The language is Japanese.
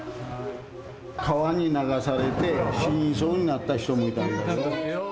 川に流されて死にそうになった人もいたんだよ。